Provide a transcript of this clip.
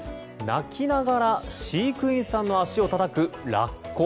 鳴きながら飼育員さんの足をたたくラッコ。